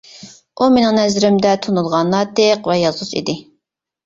ئۇ مېنىڭ نەزىرىمدە تونۇلغان ناتىق ۋە يازغۇچى ئىدى.